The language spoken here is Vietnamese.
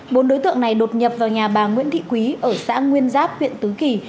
bốn đối tượng này đột nhập vào nhà bà nguyễn thị quý ở xã nguyên giáp huyện tứ kỳ